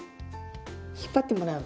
引っ張ってもらう。